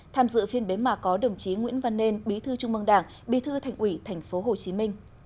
tham dự phiên bế mạc có đồng chí nguyễn văn nên bí thư trung mương đảng bí thư thành ủy tp hcm